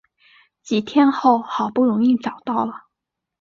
几天后好不容易找到了